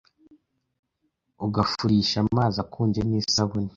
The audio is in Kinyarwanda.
ugafurisha amazi akonje n’isabuni,